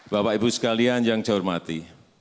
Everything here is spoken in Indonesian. bapak ibu sekalian yang saya hormati